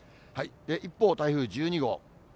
一方、台風１２号。